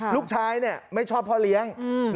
ลูกชายไม่ชอบพ่อเลี้ยง